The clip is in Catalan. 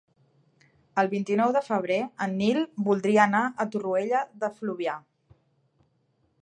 El vint-i-nou de febrer en Nil voldria anar a Torroella de Fluvià.